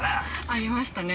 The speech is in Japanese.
ありましたね。